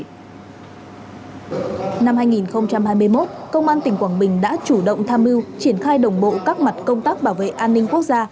năm hai nghìn hai mươi một công an tỉnh quảng bình đã chủ động tham mưu triển khai đồng bộ các mặt công tác bảo vệ an ninh quốc gia